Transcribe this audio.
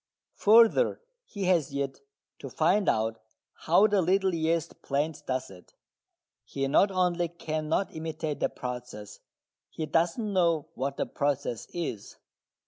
Further, he has yet to find out how the little yeast plant does it. He not only cannot imitate the process, he does not know what the process is.